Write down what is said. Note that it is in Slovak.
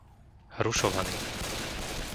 Hrušovany